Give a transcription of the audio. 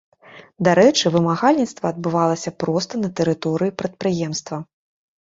Дарэчы, вымагальніцтва адбывалася проста на тэрыторыі прадпрыемства.